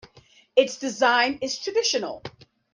Its design is traditional.